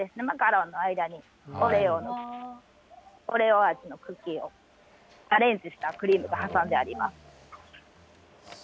マカロンの間にオレオ味のクッキーをアレンジしたクリームがはさんであります。